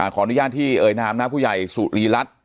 ขออนุญาตที่เอ่ยนามนะผู้ใหญ่สุรีรัฐ